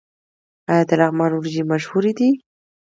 آیا د لغمان وریجې مشهورې دي؟